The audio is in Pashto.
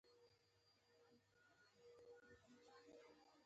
دوکاندار له ماشومان سره ښه سلوک کوي.